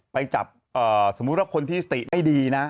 ไปจับสมมุติว่าคนที่สติได้ดีนะ